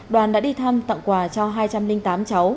đoàn đã đi thăm tặng quà cho hai trăm linh tám cháu